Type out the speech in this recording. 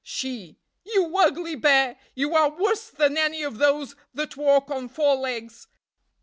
"She. 'You ugly Bear! You are worse than any of those that walk on four legs.